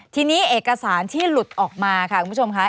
ทีนี้เอกสารที่หลุดออกมาค่ะคุณผู้ชมค่ะ